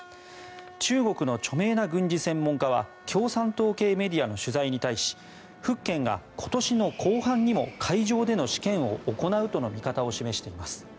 中国の著名な軍事専門家は共産党系メディアの取材に対し「福建」が今年の後半にも海上での試験を行うとの見方を示しています。